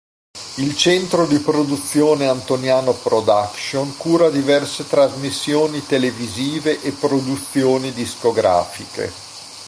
Il centro di produzione Antoniano Production cura diverse trasmissioni televisive e produzioni discografiche.